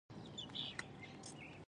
د پوستي محصول د ټیکټ په څېر شه کلک ونښله.